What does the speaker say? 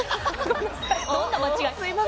どんな間違い？